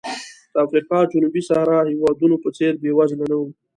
د افریقا جنوبي صحرا هېوادونو په څېر بېوزله نه و.